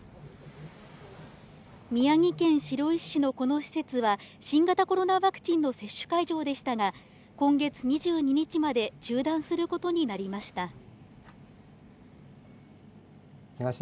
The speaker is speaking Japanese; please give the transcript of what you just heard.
宮城県白石市のこの施設は新型コロナワクチンの接種会場でしたが、今月２２日まで中断することになりました。